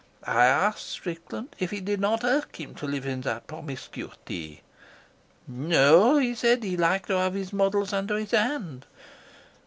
I asked Strickland if it did not irk him to live in that promiscuity. No, he said; he liked to have his models under his hand.